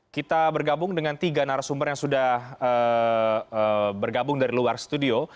kita bergabung dengan tiga narasumber yang sudah bergabung dari luar studio